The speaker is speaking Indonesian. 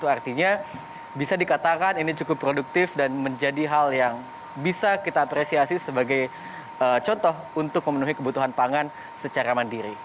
artinya bisa dikatakan ini cukup produktif dan menjadi hal yang bisa kita apresiasi sebagai contoh untuk memenuhi kebutuhan pangan secara mandiri